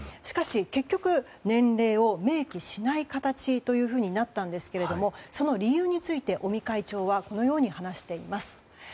しかし結局、年齢を明記しない形となったんですがその理由について尾身会長はこのように話しています。